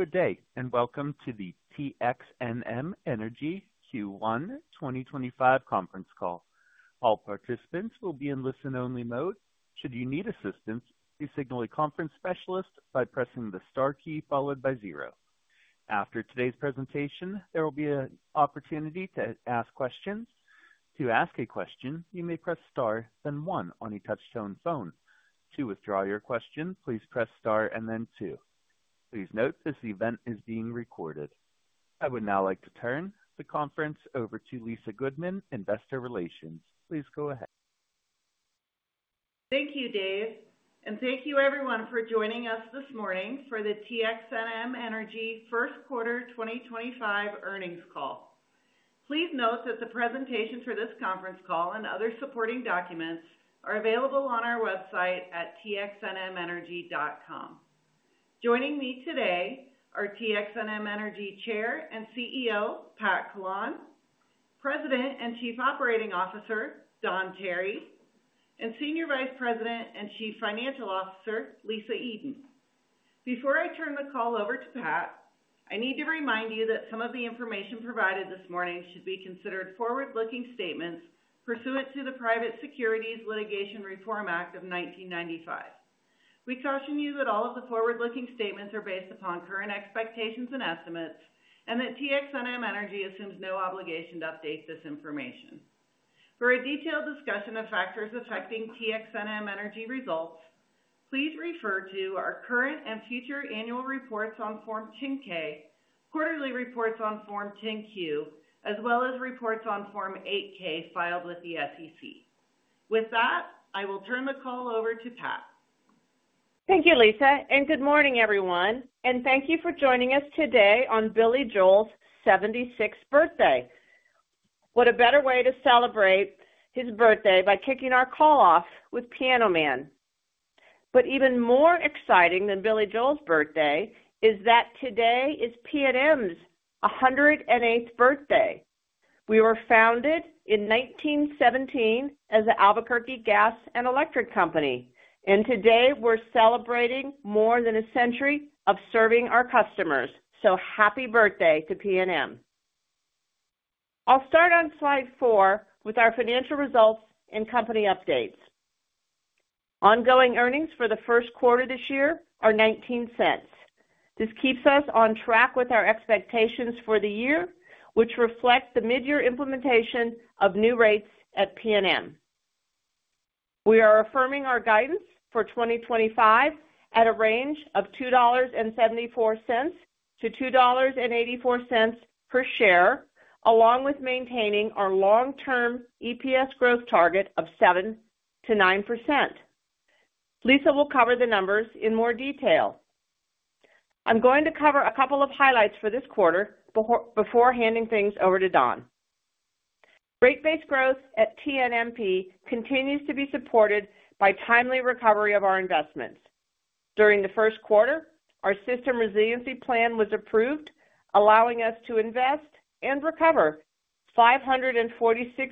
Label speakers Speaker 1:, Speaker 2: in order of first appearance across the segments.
Speaker 1: Good day, and welcome to the TXNM Energy Q1 2025 conference call. All participants will be in listen-only mode. Should you need assistance, please signal a conference specialist by pressing the star key followed by zero. After today's presentation, there will be an opportunity to ask questions. To ask a question, you may press star, then one on a touch-tone phone. To withdraw your question, please press star and then two. Please note this event is being recorded. I would now like to turn the conference over to Lisa Goodman, Investor Relations. Please go ahead.
Speaker 2: Thank you, Dave, and thank you everyone for joining us this morning for the TXNM Energy First Quarter 2025 earnings call. Please note that the presentation for this conference call and other supporting documents are available on our website at txnmenergy.com. Joining me today are TXNM Energy Chair and CEO, Pat Collawn, President and Chief Operating Officer, Don Tarry, and Senior Vice President and Chief Financial Officer, Lisa Eden. Before I turn the call over to Pat, I need to remind you that some of the information provided this morning should be considered forward-looking statements pursuant to the Private Securities Litigation Reform Act of 1995. We caution you that all of the forward-looking statements are based upon current expectations and estimates and that TXNM Energy assumes no obligation to update this information. For a detailed discussion of factors affecting TXNM Energy results, please refer to our current and future annual reports on Form 10-K, quarterly reports on Form 10-Q, as well as reports on Form 8-K filed with the SEC. With that, I will turn the call over to Pat.
Speaker 3: Thank you, Lisa, and good morning, everyone. Thank you for joining us today on Billy Joel's 76th birthday. What a better way to celebrate his birthday by kicking our call off with Piano Man. Even more exciting than Billy Joel's birthday is that today is PNM's 108th birthday. We were founded in 1917 as the Albuquerque Gas and Electric Company, and today we're celebrating more than a century of serving our customers. Happy birthday to PNM. I'll start on slide four with our financial results and company updates. Ongoing earnings for the first quarter this year are $0.19. This keeps us on track with our expectations for the year, which reflects the mid-year implementation of new rates at PNM. We are affirming our guidance for 2025 at a range of $2.74-$2.84 per share, along with maintaining our long-term EPS growth target of 7%-9%. Lisa will cover the numbers in more detail. I'm going to cover a couple of highlights for this quarter before handing things over to Don. Rate-based growth at TNMP continues to be supported by timely recovery of our investments. During the first quarter, our system resiliency plan was approved, allowing us to invest and recover $546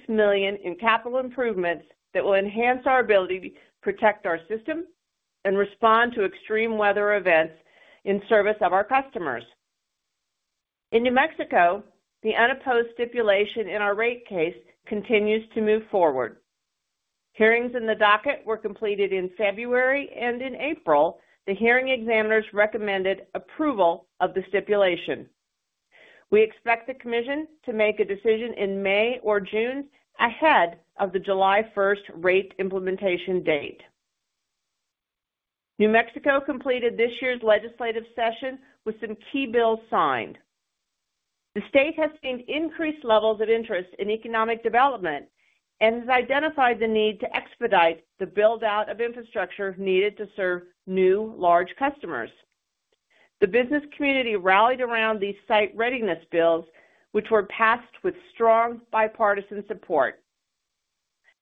Speaker 3: million in capital improvements that will enhance our ability to protect our system and respond to extreme weather events in service of our customers. In New Mexico, the unopposed stipulation in our rate case continues to move forward. Hearings in the docket were completed in February and in April. The hearing examiners recommended approval of the stipulation. We expect the commission to make a decision in May or June ahead of the July 1 rate implementation date. New Mexico completed this year's legislative session with some key bills signed. The state has seen increased levels of interest in economic development and has identified the need to expedite the build-out of infrastructure needed to serve new large customers. The business community rallied around these site readiness bills, which were passed with strong bipartisan support.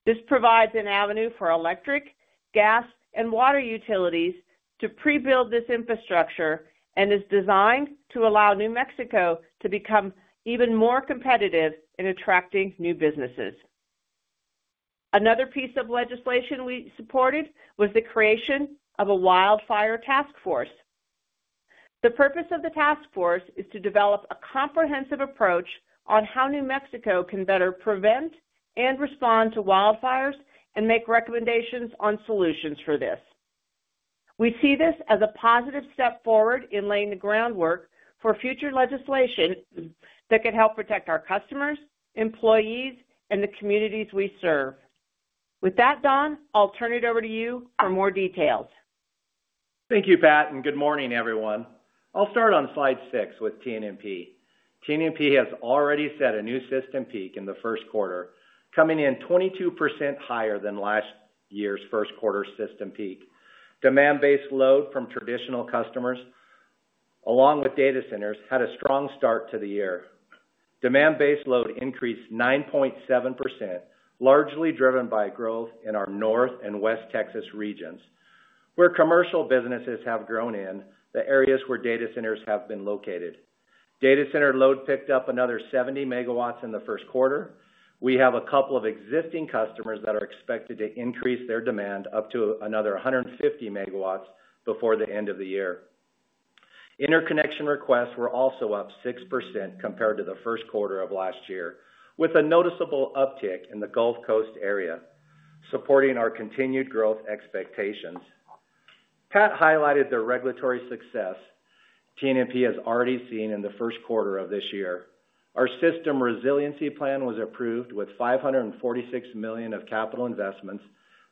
Speaker 3: This provides an avenue for electric, gas, and water utilities to pre-build this infrastructure and is designed to allow New Mexico to become even more competitive in attracting new businesses. Another piece of legislation we supported was the creation of a wildfire task force. The purpose of the task force is to develop a comprehensive approach on how New Mexico can better prevent and respond to wildfires and make recommendations on solutions for this. We see this as a positive step forward in laying the groundwork for future legislation that could help protect our customers, employees, and the communities we serve. With that, Don, I'll turn it over to you for more details.
Speaker 1: Thank you, Pat, and good morning, everyone. I'll start on slide six with TNMP. TNMP has already set a new system peak in the first quarter, coming in 22% higher than last year's first quarter system peak. Demand-based load from traditional customers, along with data centers, had a strong start to the year. Demand-based load increased 9.7%, largely driven by growth in our North and West Texas regions, where commercial businesses have grown in the areas where data centers have been located. Data center load picked up another 70 megawatts in the first quarter. We have a couple of existing customers that are expected to increase their demand up to another 150 megawatts before the end of the year. Interconnection requests were also up 6% compared to the first quarter of last year, with a noticeable uptick in the Gulf Coast area, supporting our continued growth expectations. Pat highlighted the regulatory success TNMP has already seen in the first quarter of this year. Our system resiliency plan was approved with $546 million of capital investments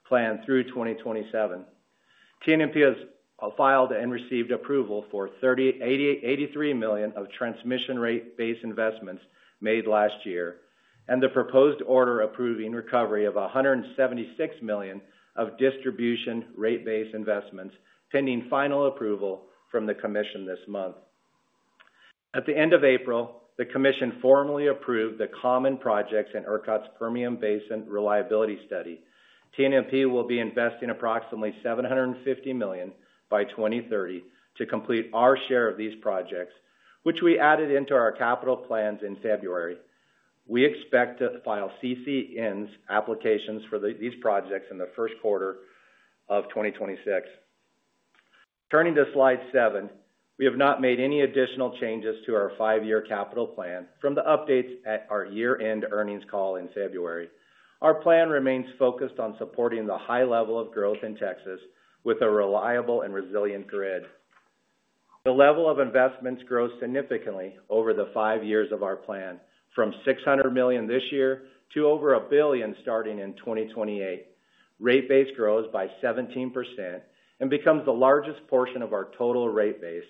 Speaker 1: planned through 2027. TNMP has filed and received approval for $83 million of transmission rate-based investments made last year, and the proposed order approving recovery of $176 million of distribution rate-based investments is pending final approval from the commission this month. At the end of April, the commission formally approved the common projects in ERCOT's Permian Basin reliability study. TNMP will be investing approximately $750 million by 2030 to complete our share of these projects, which we added into our capital plans in February. We expect to file CCN applications for these projects in the first quarter of 2026. Turning to slide seven, we have not made any additional changes to our five-year capital plan from the updates at our year-end earnings call in February. Our plan remains focused on supporting the high level of growth in Texas with a reliable and resilient grid. The level of investments grows significantly over the five years of our plan, from $600 million this year to over $1 billion starting in 2028. Rate base grows by 17% and becomes the largest portion of our total rate base.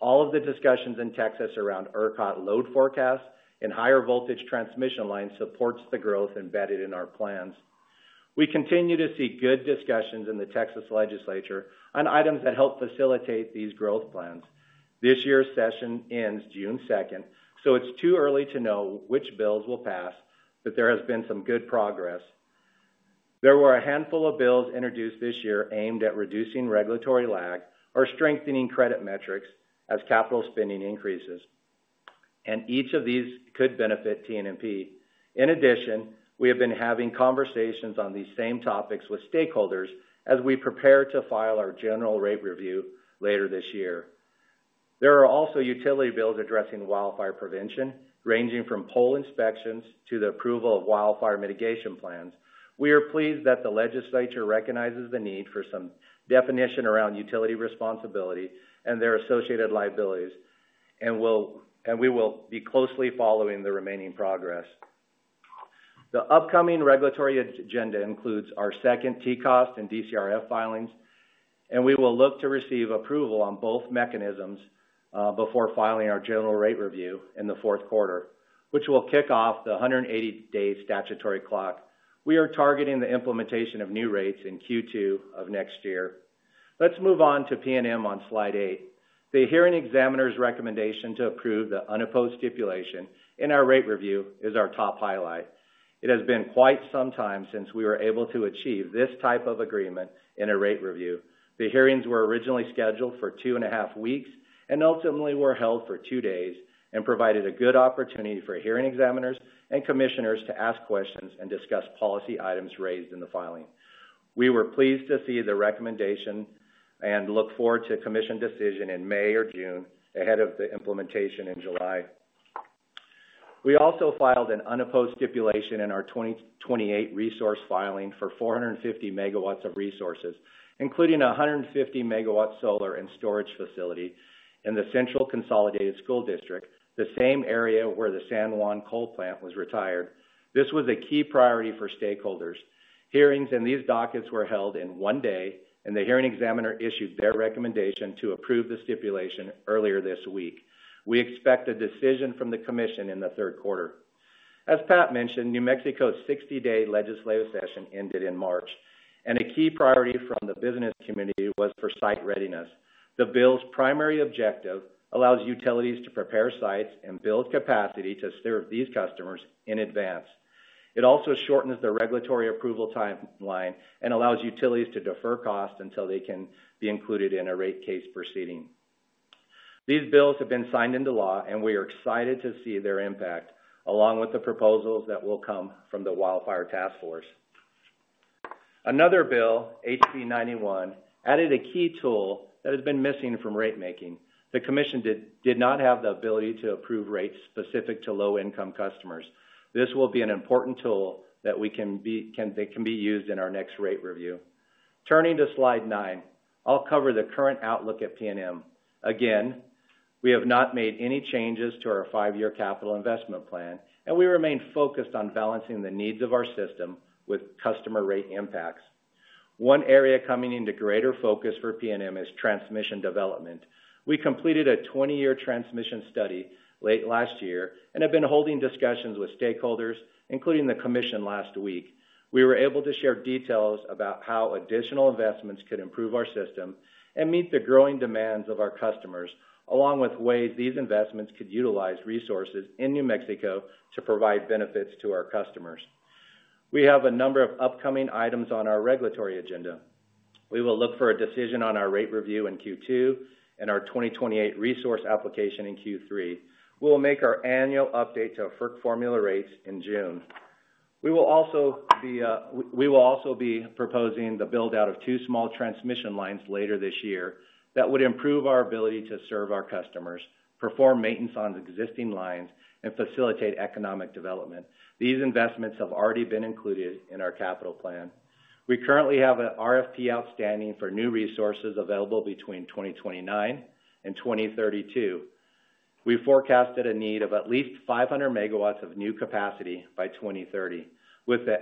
Speaker 1: All of the discussions in Texas around ERCOT load forecasts and higher voltage transmission lines support the growth embedded in our plans. We continue to see good discussions in the Texas legislature on items that help facilitate these growth plans. This year's session ends June 2, so it's too early to know which bills will pass, but there has been some good progress. There were a handful of bills introduced this year aimed at reducing regulatory lag or strengthening credit metrics as capital spending increases, and each of these could benefit TNMP. In addition, we have been having conversations on these same topics with stakeholders as we prepare to file our general rate review later this year. There are also utility bills addressing wildfire prevention, ranging from pole inspections to the approval of wildfire mitigation plans. We are pleased that the legislature recognizes the need for some definition around utility responsibility and their associated liabilities, and we will be closely following the remaining progress. The upcoming regulatory agenda includes our second TCOST and DCRF filings, and we will look to receive approval on both mechanisms before filing our general rate review in the fourth quarter, which will kick off the 180-day statutory clock. We are targeting the implementation of new rates in Q2 of next year. Let's move on to PNM on slide eight. The hearing examiner's recommendation to approve the unopposed stipulation in our rate review is our top highlight. It has been quite some time since we were able to achieve this type of agreement in a rate review. The hearings were originally scheduled for two and a half weeks and ultimately were held for two days and provided a good opportunity for hearing examiners and commissioners to ask questions and discuss policy items raised in the filing. We were pleased to see the recommendation and look forward to commission decision in May or June ahead of the implementation in July. We also filed an unopposed stipulation in our 2028 resource filing for 450 megawatts of resources, including a 150-megawatt solar and storage facility in the Central Consolidated School District, the same area where the San Juan Coal Plant was retired. This was a key priority for stakeholders. Hearings in these dockets were held in one day, and the hearing examiner issued their recommendation to approve the stipulation earlier this week. We expect a decision from the commission in the third quarter. As Pat mentioned, New Mexico's 60-day legislative session ended in March, and a key priority from the business community was for site readiness. The bill's primary objective allows utilities to prepare sites and build capacity to serve these customers in advance. It also shortens the regulatory approval timeline and allows utilities to defer costs until they can be included in a rate case proceeding. These bills have been signed into law, and we are excited to see their impact, along with the proposals that will come from the wildfire task force. Another bill, HB-91, added a key tool that has been missing from rate-making. The commission did not have the ability to approve rates specific to low-income customers. This will be an important tool that can be used in our next rate review. Turning to slide nine, I'll cover the current outlook at PNM. Again, we have not made any changes to our five-year capital investment plan, and we remain focused on balancing the needs of our system with customer rate impacts. One area coming into greater focus for PNM is transmission development. We completed a 20-year transmission study late last year and have been holding discussions with stakeholders, including the commission, last week. We were able to share details about how additional investments could improve our system and meet the growing demands of our customers, along with ways these investments could utilize resources in New Mexico to provide benefits to our customers. We have a number of upcoming items on our regulatory agenda. We will look for a decision on our rate review in Q2 and our 2028 resource application in Q3. We will make our annual update to FERC formula rates in June. We will also be proposing the build-out of two small transmission lines later this year that would improve our ability to serve our customers, perform maintenance on existing lines, and facilitate economic development. These investments have already been included in our capital plan. We currently have an RFP outstanding for new resources available between 2029 and 2032. We forecasted a need of at least 500 megawatts of new capacity by 2030, with the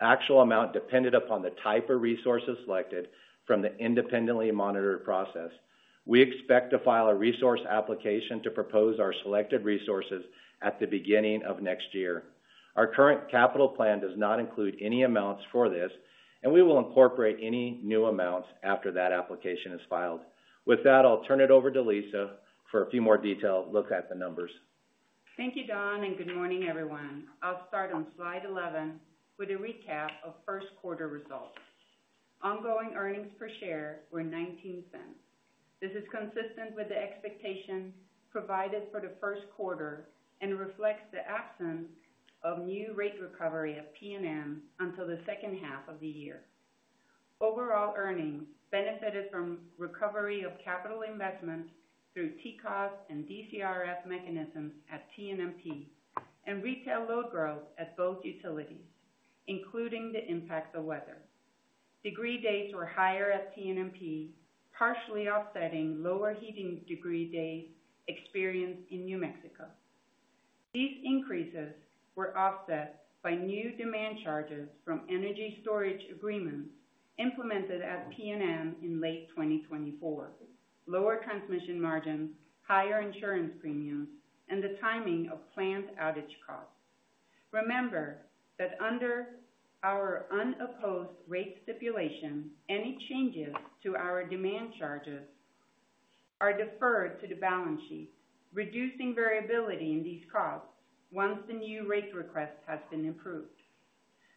Speaker 1: actual amount dependent upon the type of resources selected from the independently monitored process. We expect to file a resource application to propose our selected resources at the beginning of next year. Our current capital plan does not include any amounts for this, and we will incorporate any new amounts after that application is filed. With that, I'll turn it over to Lisa for a few more detailed looks at the numbers.
Speaker 4: Thank you, Don, and good morning, everyone. I'll start on slide 11 with a recap of first quarter results. Ongoing earnings per share were $0.19. This is consistent with the expectation provided for the first quarter and reflects the absence of new rate recovery at PNM until the second half of the year. Overall earnings benefited from recovery of capital investment through TCOST and DCRF mechanisms at TNMP and retail load growth at both utilities, including the impacts of weather. Degree days were higher at TNMP, partially offsetting lower heating degree days experienced in New Mexico. These increases were offset by new demand charges from energy storage agreements implemented at PNM in late 2024, lower transmission margins, higher insurance premiums, and the timing of planned outage costs. Remember that under our unopposed rate stipulation, any changes to our demand charges are deferred to the balance sheet, reducing variability in these costs once the new rate request has been approved.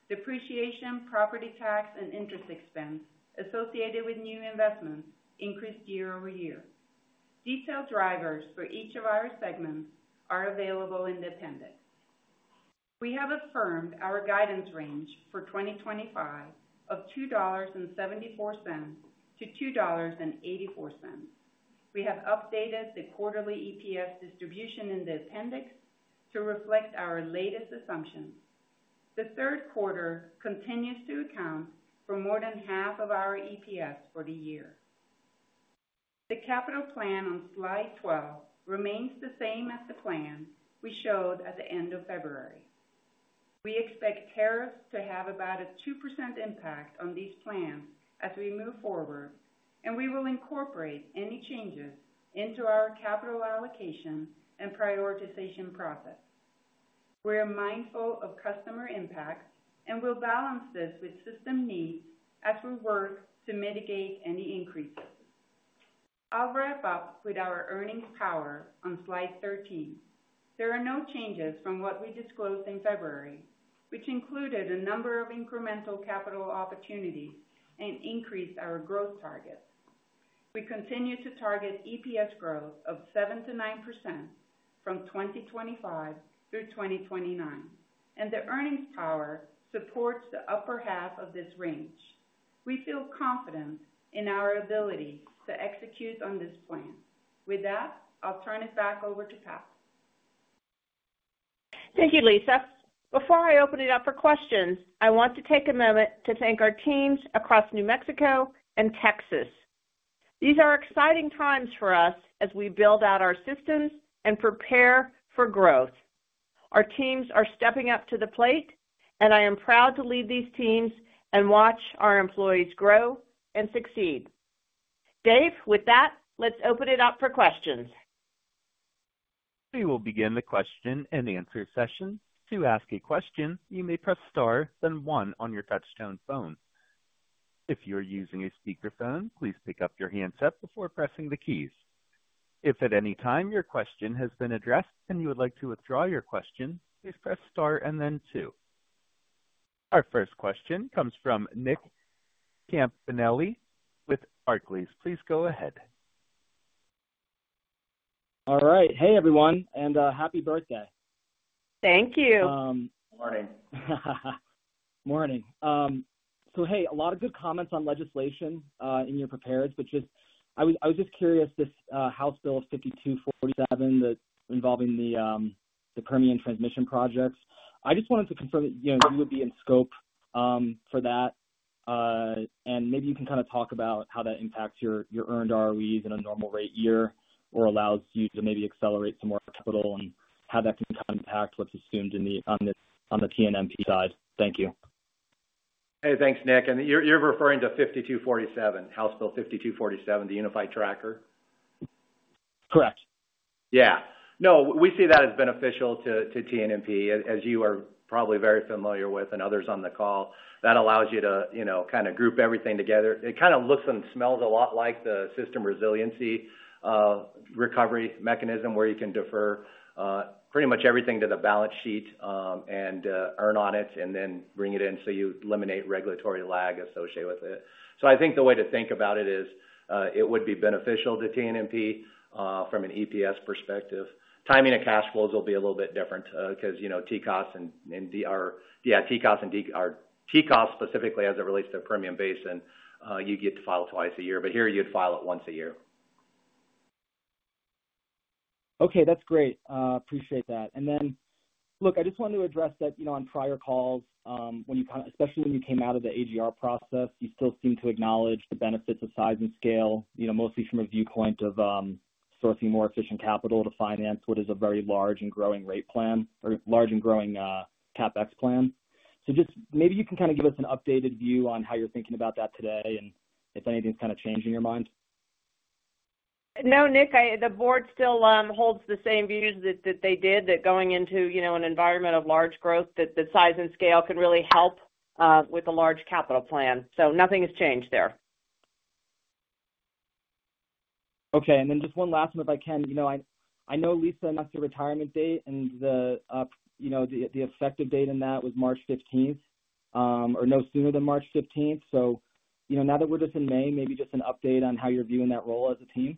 Speaker 4: Depreciation, property tax, and interest expense associated with new investments increase year over year. Detailed drivers for each of our segments are available in the appendix. We have affirmed our guidance range for 2025 of $2.74-$2.84. We have updated the quarterly EPS distribution in the appendix to reflect our latest assumptions. The third quarter continues to account for more than half of our EPS for the year. The capital plan on slide 12 remains the same as the plan we showed at the end of February. We expect tariffs to have about a 2% impact on these plans as we move forward, and we will incorporate any changes into our capital allocation and prioritization process. We are mindful of customer impacts and will balance this with system needs as we work to mitigate any increases. I'll wrap up with our earnings power on slide 13. There are no changes from what we disclosed in February, which included a number of incremental capital opportunities and increased our growth targets. We continue to target EPS growth of 7%-9% from 2025 through 2029, and the earnings power supports the upper half of this range. We feel confident in our ability to execute on this plan. With that, I'll turn it back over to Pat.
Speaker 3: Thank you, Lisa. Before I open it up for questions, I want to take a moment to thank our teams across New Mexico and Texas. These are exciting times for us as we build out our systems and prepare for growth. Our teams are stepping up to the plate, and I am proud to lead these teams and watch our employees grow and succeed. Dave, with that, let's open it up for questions.
Speaker 5: We will begin the question and answer session. To ask a question, you may press star then one on your touchstone phone. If you are using a speakerphone, please pick up your handset before pressing the keys. If at any time your question has been addressed and you would like to withdraw your question, please press star and then two. Our first question comes from Nick Campanella with Barclays. Please go ahead.
Speaker 6: All right. Hey, everyone, and happy birthday.
Speaker 3: Thank you.
Speaker 6: Morning. Morning. Hey, a lot of good comments on legislation in your prepareds, but I was just curious, this House Bill 5247 that involving the Permian Transmission Projects. I just wanted to confirm that you would be in scope for that, and maybe you can kind of talk about how that impacts your earned ROEs in a normal rate year or allows you to maybe accelerate some more capital and how that can impact what's assumed on the TNMP side. Thank you.
Speaker 1: Hey, thanks, Nick. And you're referring to 5247, House Bill 5247, the unified tracker?
Speaker 6: Correct.
Speaker 1: Yeah. No, we see that as beneficial to TNMP, as you are probably very familiar with and others on the call. That allows you to kind of group everything together. It kind of looks and smells a lot like the system resiliency recovery mechanism where you can defer pretty much everything to the balance sheet and earn on it and then bring it in so you eliminate regulatory lag associated with it. I think the way to think about it is it would be beneficial to TNMP from an EPS perspective. Timing of cash flows will be a little bit different because TCOST and yeah, TCOST specifically as it relates to Permian Basin, you get to file twice a year, but here you'd file it once a year.
Speaker 6: Okay, that's great. Appreciate that. I just wanted to address that on prior calls, especially when you came out of the AGR process, you still seem to acknowledge the benefits of size and scale, mostly from a viewpoint of sourcing more efficient capital to finance what is a very large and growing rate plan, large and growing CapEx plan. Just maybe you can kind of give us an updated view on how you're thinking about that today and if anything's kind of changed in your mind.
Speaker 3: No, Nick, the board still holds the same views that they did that going into an environment of large growth that the size and scale can really help with a large capital plan. Nothing has changed there.
Speaker 6: Okay. And then just one last one, if I can. I know Lisa announced her retirement date, and the effective date in that was March 15th or no sooner than March 15th. Now that we're just in May, maybe just an update on how you're viewing that role as a team?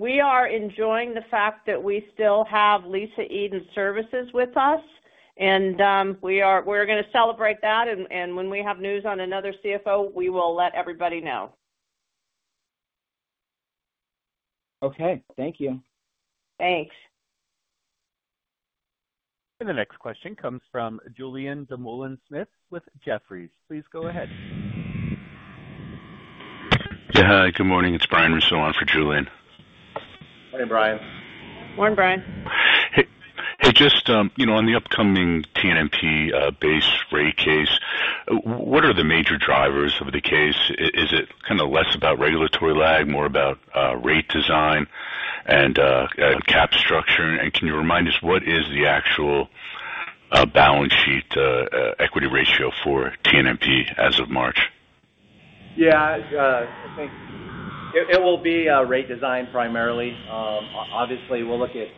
Speaker 3: We are enjoying the fact that we still have Lisa Eden with us, and we're going to celebrate that. When we have news on another CFO, we will let everybody know.
Speaker 6: Okay. Thank you.
Speaker 3: Thanks.
Speaker 5: The next question comes from Julian Demullin-Smith with Jefferies. Please go ahead.
Speaker 7: Yeah, hi, good morning. It's Brian Russo on for Julian.
Speaker 1: Morning, Brian.
Speaker 3: Morning, Brian.
Speaker 7: Hey, just on the upcoming TNMP-based rate case, what are the major drivers of the case? Is it kind of less about regulatory lag, more about rate design and cap structure? Can you remind us what is the actual balance sheet equity ratio for TNMP as of March?
Speaker 1: Yeah, I think it will be rate design primarily. Obviously, we'll look at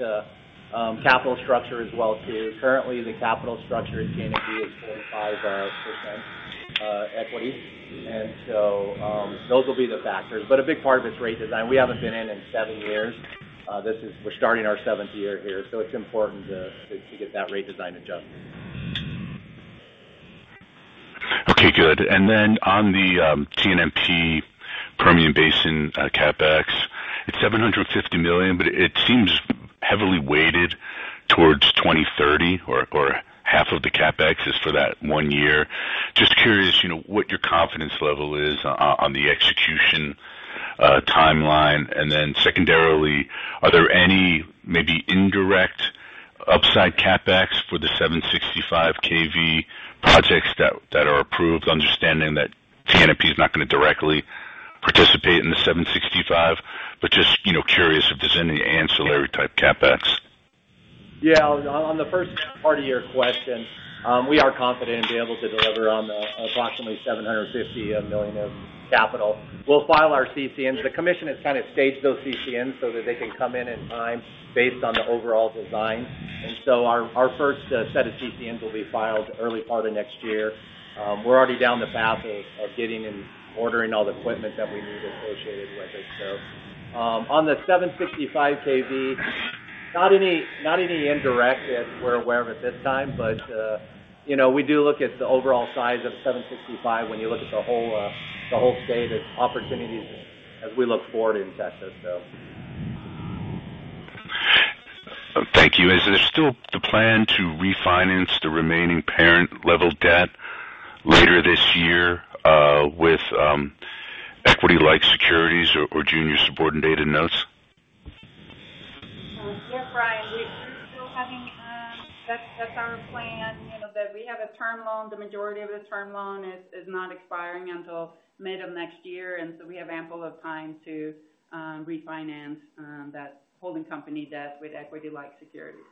Speaker 1: capital structure as well too. Currently, the capital structure at TNMP is 45% equity. Those will be the factors. A big part of it is rate design. We haven't been in in seven years. We're starting our seventh year here, so it's important to get that rate design adjusted.
Speaker 7: Okay, good. Then on the TNMP Permian Basin CapEx, it's $750 million, but it seems heavily weighted towards 2030 or half of the CapEx is for that one year. Just curious what your confidence level is on the execution timeline. Then secondarily, are there any maybe indirect upside CapEx for the 765 kV projects that are approved, understanding that TNMP is not going to directly participate in the 765, but just curious if there's any ancillary type CapEx.
Speaker 1: Yeah, on the first part of your question, we are confident in being able to deliver on approximately $750 million in capital. We'll file our CCNs. The commission has kind of staged those CCNs so that they can come in in time based on the overall design. Our first set of CCNs will be filed early part of next year. We're already down the path of getting and ordering all the equipment that we need associated with it. On the 765 kV, not any indirect that we're aware of at this time, but we do look at the overall size of 765 when you look at the whole state of opportunities as we look forward in Texas.
Speaker 7: Thank you. Is there still the plan to refinance the remaining parent-level debt later this year with equity-like securities or junior subordinated notes?
Speaker 4: Yeah, Brian, we're still having that's our plan that we have a term loan. The majority of the term loan is not expiring until mid of next year. And so we have ample of time to refinance that holding company debt with equity-like securities.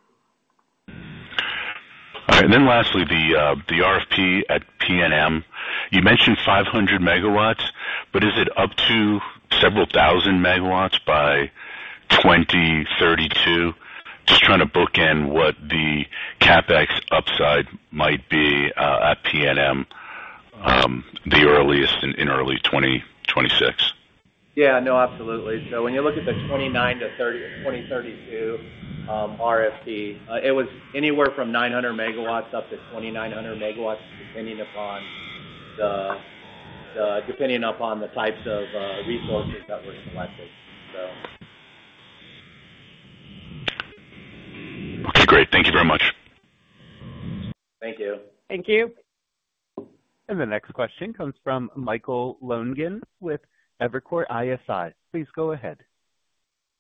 Speaker 7: All right. Lastly, the RFP at PNM, you mentioned 500 megawatts, but is it up to several thousand megawatts by 2032? Just trying to book in what the CapEx upside might be at PNM the earliest in early 2026.
Speaker 1: Yeah, no, absolutely. When you look at the 2029 to 2030 to 2032 RFP, it was anywhere from 900 megawatts up to 2,900 megawatts depending upon the types of resources that were selected.
Speaker 7: Okay, great. Thank you very much.
Speaker 1: Thank you.
Speaker 3: Thank you.
Speaker 5: The next question comes from Michael Lonegan with Evercore ISI. Please go ahead.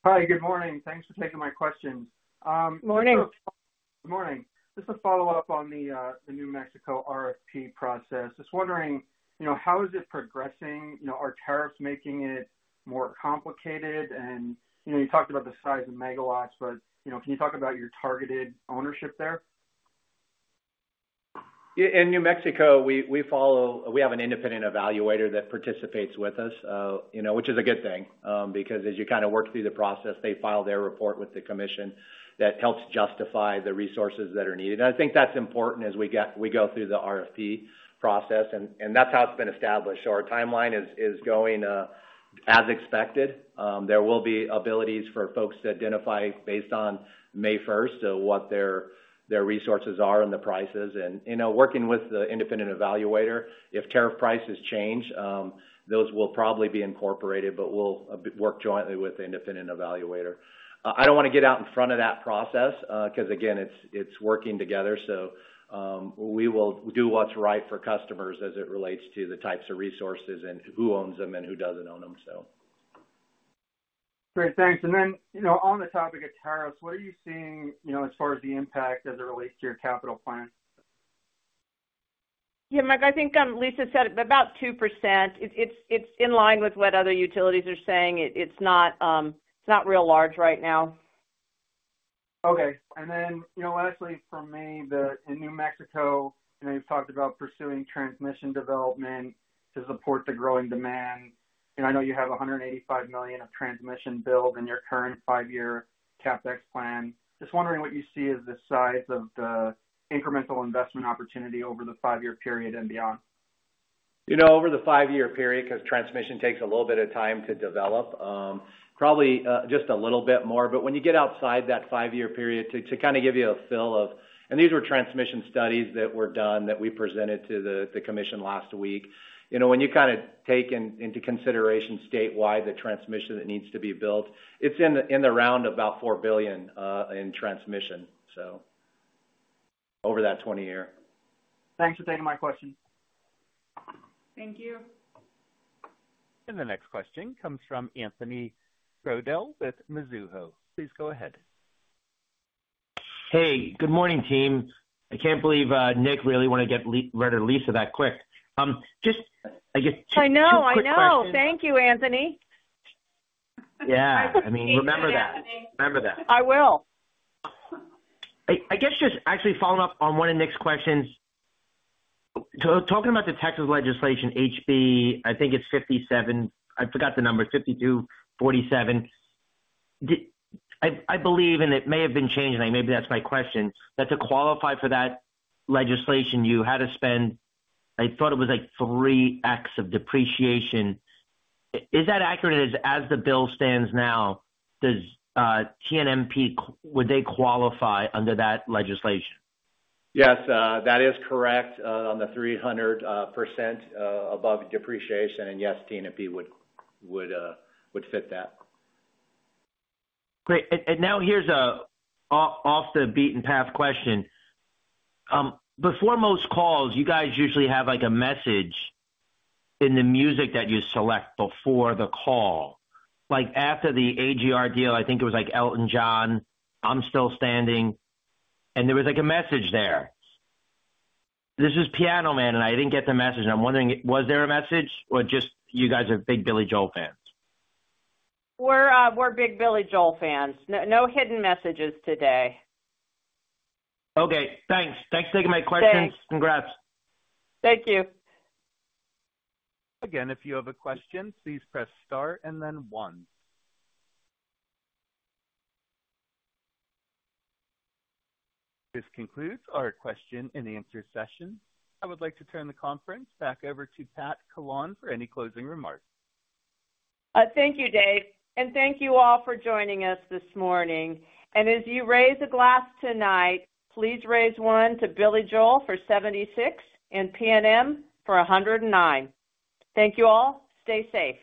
Speaker 8: Hi, good morning. Thanks for taking my question.
Speaker 3: Morning.
Speaker 8: Good morning. Just to follow up on the New Mexico RFP process, just wondering how is it progressing? Are tariffs making it more complicated? You talked about the size of megawatts, but can you talk about your targeted ownership there?
Speaker 1: In New Mexico, we have an independent evaluator that participates with us, which is a good thing because as you kind of work through the process, they file their report with the commission that helps justify the resources that are needed. I think that's important as we go through the RFP process, and that's how it's been established. Our timeline is going as expected. There will be abilities for folks to identify based on May 1 what their resources are and the prices. Working with the independent evaluator, if tariff prices change, those will probably be incorporated, but we'll work jointly with the independent evaluator. I don't want to get out in front of that process because, again, it's working together. We will do what's right for customers as it relates to the types of resources and who owns them and who doesn't own them.
Speaker 8: Great, thanks. On the topic of tariffs, what are you seeing as far as the impact as it relates to your capital plan?
Speaker 3: Yeah, Mike, I think Lisa said about 2%. It's in line with what other utilities are saying. It's not real large right now.
Speaker 8: Okay. Lastly, for me, in New Mexico, you've talked about pursuing transmission development to support the growing demand. I know you have $185 million of transmission billed in your current five-year CapEx plan. Just wondering what you see as the size of the incremental investment opportunity over the five-year period and beyond.
Speaker 1: Over the five-year period, because transmission takes a little bit of time to develop, probably just a little bit more. When you get outside that five-year period, to kind of give you a feel of—and these were transmission studies that were done that we presented to the commission last week—when you kind of take into consideration statewide the transmission that needs to be built, it's in the round of about $4 billion in transmission, so. Over that 20-year.
Speaker 8: Thanks for taking my question.
Speaker 4: Thank you.
Speaker 5: The next question comes from Anthony Crowdell with Mizuho. Please go ahead.
Speaker 9: Hey, good morning, team. I can't believe Nick really wanted to get rid of Lisa that quick. Just.
Speaker 3: I know, I know. Thank you, Anthony.
Speaker 9: Yeah. I mean, remember that.
Speaker 3: I will.
Speaker 9: I guess just actually following up on one of Nick's questions. Talking about the Texas legislation, HB, I think it's 57—I forgot the number—5247. I believe, and it may have been changed, and maybe that's my question, that to qualify for that legislation, you had to spend—I thought it was like 3X of depreciation. Is that accurate? As the bill stands now, would they qualify under that legislation?
Speaker 1: Yes, that is correct on the 300% above depreciation. Yes, TNMP would fit that.
Speaker 9: Great. Now here's an off-the-beaten-path question. Before most calls, you guys usually have a message in the music that you select before the call. After the AGR deal, I think it was Elton John, I'm Still Standing, and there was a message there. This is Piano Man, and I didn't get the message. I'm wondering, was there a message or just you guys are big Billy Joel fans?
Speaker 3: We're big Billy Joel fans. No hidden messages today.
Speaker 9: Okay. Thanks. Thanks for taking my questions. Congrats.
Speaker 3: Thank you.
Speaker 5: Again, if you have a question, please press star and then one. This concludes our question-and-answer session. I would like to turn the conference back over to Pat Collawn for any closing remarks.
Speaker 3: Thank you, Dave. Thank you all for joining us this morning. As you raise a glass tonight, please raise one to Billy Joel for 76 and PNM for 109. Thank you all. Stay safe.